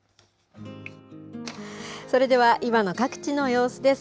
それでは今の各地の様子です。